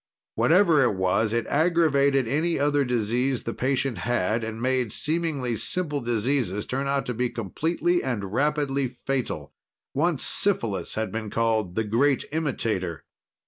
Whatever it was, it aggravated any other disease the patient had and made seemingly simple diseases turn out to be completely and rapidly fatal. Once syphilis had been called "The Great Imitator".